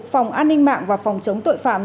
phòng an ninh mạng và phòng chống tội phạm